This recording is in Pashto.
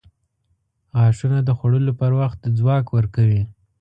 • غاښونه د خوړلو پر وخت ځواک ورکوي.